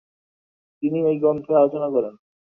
তিনি এই গ্রন্থের আলোচনা করেন।